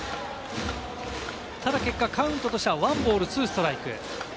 結果カウントとしては１ボール２ストライク。